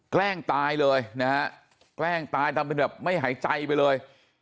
แกล้งตายเลยนะฮะแกล้งตายทำเป็นแบบไม่หายใจไปเลย